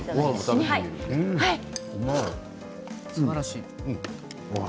すばらしい。